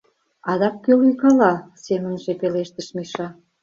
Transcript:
«Адак кӧ лӱйкала?» — семынже пелештыш Миша.